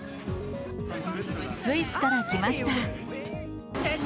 スイスから来ました。